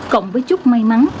cộng với chút may mắn